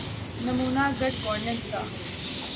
نمونہ good governance کا۔